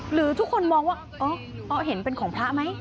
หรือทุกคนมองว่าอ๋อเห็นเป็นของพระไหม